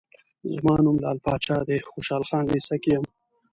زما نوم لعل پاچا دی، خوشحال خان لېسه کې یم.